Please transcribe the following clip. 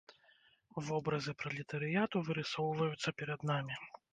Вобразы пралетарыяту вырысоўваюцца перад намі.